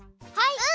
はい！